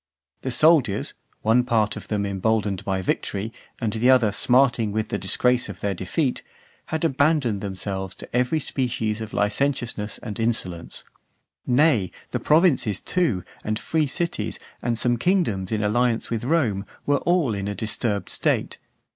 The soldiers, one part of them emboldened by victory, and the other smarting with the disgrace of their defeat, had abandoned themselves to every species of licentiousness and insolence. Nay, the provinces, too, and free cities, and some kingdoms in alliance with Rome, were all in a disturbed state.